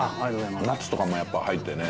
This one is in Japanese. ナッツとかも入ってね